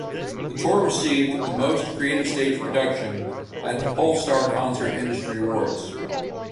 The tour received the "Most Creative Stage Production" at the Pollstar Concert Industry Awards.